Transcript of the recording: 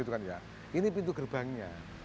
ini pintu gerbangnya